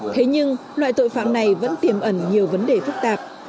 thế nhưng loại tội phạm này vẫn tiềm ẩn nhiều vấn đề phức tạp